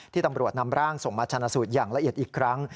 ตำรวจนำร่างส่งมาชนะสูตรอย่างละเอียดอีกครั้ง